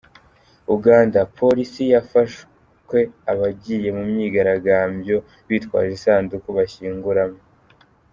Uganda: Polisi yafashwe abagiye mu myigaragambyo bitwaje isanduku bashyinguramo.